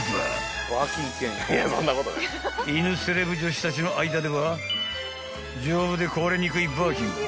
［犬セレブ女子たちの間では丈夫で壊れにくいバーキンは］